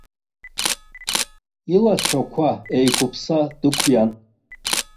Илацәақәа еиқәыԥса дықәиан.